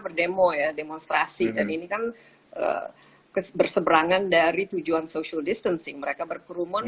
berdemo ya demonstrasi dan ini kan berseberangan dari tujuan social distancing mereka berkerumun